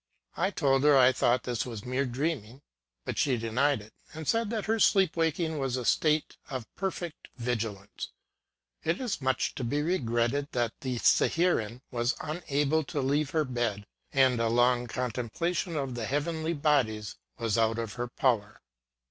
I told her I thought this was mere dreaming ; but she de nied it, and said that her sleep waking was a state of perfect vigilance. It is ^luch to be regretted, that these observations were made, at a time that the Seherin was unable to leave her bed, and a long con templation of the heavenly bodies was out of her power.